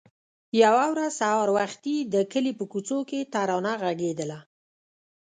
يوه ورځ سهار وختي د کلي په کوڅو کې ترانه غږېدله.